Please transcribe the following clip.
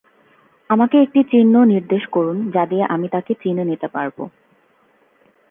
আমাকে একটি চিহ্ন নির্দেশ করুন যা দিয়ে আমি তাকে চিনে নিতে পারব।